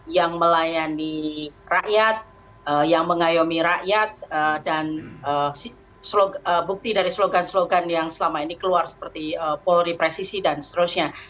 yang melayani rakyat yang mengayomi rakyat dan bukti dari slogan slogan yang selama ini keluar seperti polri presisi dan seterusnya